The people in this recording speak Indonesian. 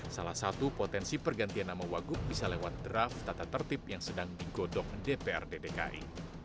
salah satu potensi pergantian nama wagup bisa lewat draft tata tertib yang sedang digodok dprd dki